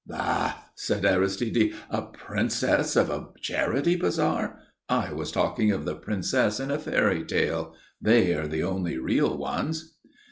"Bah!" said Aristide. "A princess of a charity bazaar! I was talking of the princess in a fairytale. They are the only real ones."